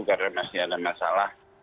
karena masih ada masalah